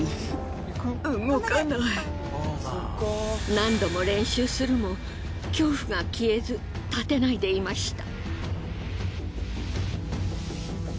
何度も練習するも恐怖が消えず立てないでいました。